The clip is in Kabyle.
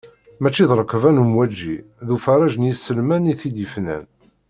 Mačči d rrekba n lemwaji, d ufarreǧ deg yiselman i t-id-yefnan.